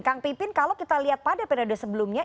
kang pipin kalau kita lihat pada periode sebelumnya